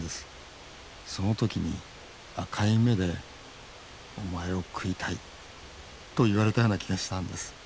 その時に赤い目で「お前を食いたい」と言われたような気がしたんです。